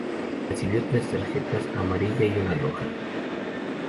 Recibió tres tarjetas amarilla y una roja.